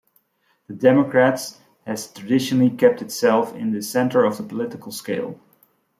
The Democrats has traditionally kept itself in the centre of the political scale.